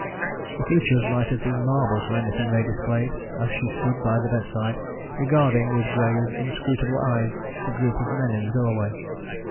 The features might have been marble for anything they displayed, as she stood by the bedside regarding with grave inscrutable eyes the group of men in the doorway.